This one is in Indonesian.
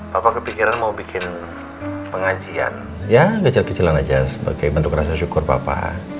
bapak kepikiran mau bikin pengajian ya kecil kecilan aja sebagai bentuk rasa syukur bapak